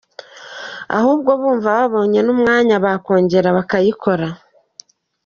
ahubwo bumva babonye n’umwanya bakongera bakayikora.